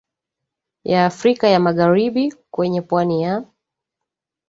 ya Afrika ya Magharibi kwenye pwani ya